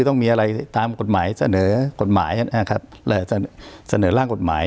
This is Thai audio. ต้องมีอะไรตามกฎหมายเสนอกฎหมายนะครับเสนอร่างกฎหมาย